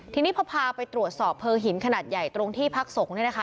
ทีนี้พอพาไปตรวจสอบเพลิงหินขนาดใหญ่ตรงที่พักสงฆ์เนี่ยนะคะ